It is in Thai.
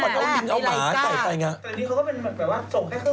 เมื่อก่อนเอาหลิงเอาหมาใส่ไปเนี่ย